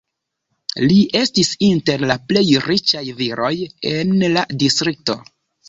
Li estis inter la plej riĉaj viroj en la distrikto.